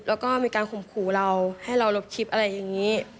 แล้วก็มีการข่มขู่เราให้เราลบคลิปอะไรอย่างนี้